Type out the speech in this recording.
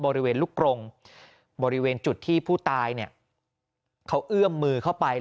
บริเวณลูกกรงบริเวณจุดที่ผู้ตายเนี่ยเขาเอื้อมมือเข้าไป